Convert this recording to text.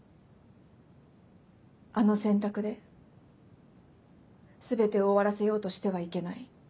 あの選択で全てを終わらせようとしてはいけない。